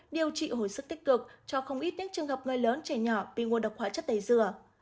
điều trị hồi sức tích cực cho không ít những trường hợp người lớn trẻ nhỏ bị ngộ độc hóa chất tẩy dừa